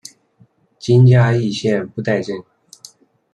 今嘉义县布袋镇。